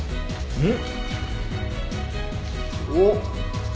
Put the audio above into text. うん。